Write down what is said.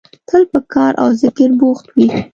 تل په کار او ذکر بوخت وي.